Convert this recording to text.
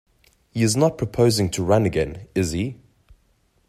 He is not proposing to run again, is he?